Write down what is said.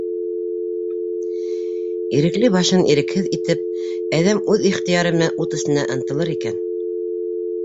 - Ирекле башын ирекһеҙ итеп, әҙәм үҙ ихтыяры менән ут эсенә ынтылыр икән...